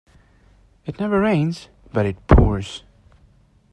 It never rains but it pours.